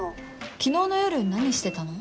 昨日の夜何してたの？